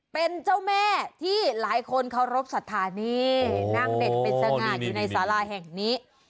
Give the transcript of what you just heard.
เป็นเจ้าแม่ที่หลายคนเคารพสัทธานี่นั่งเด็ดเป็นสง่าอยู่ในสาราแห่งนี้